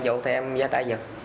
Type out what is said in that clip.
hại vô thì em ra tay giật